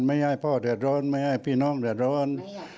ไม่ให้พ่อเดือดร้อนไม่ให้พี่น้องเดือดร้อน